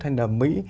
hay là mỹ